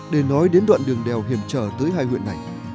để nói đến đoạn đường đèo hiểm trở tới hai huyện này